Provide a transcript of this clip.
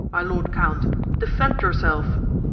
my lord count, defend yourself!